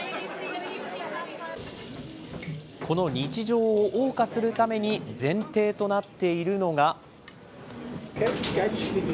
この日常をおう歌するために前提となっているのが。